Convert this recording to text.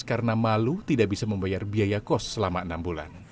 karena malu tidak bisa membayar biaya kos selama enam bulan